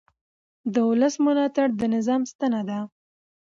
د ولس ملاتړ د نظام ستنه ده